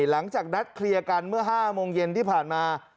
หลังจากนัดเคลียร์กันเมื่อ๕โมงเย็นที่ผ่านมา